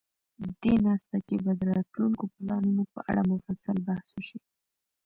دې ناسته کې به د راتلونکو پلانونو په اړه مفصل بحث وشي.